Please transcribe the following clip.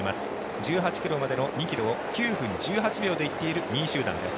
１８ｋｍまでの２ｋｍを９分１８秒で行っている２位集団です。